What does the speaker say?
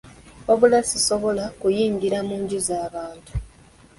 Wabula sisobola kuyingira mu nju za bantu.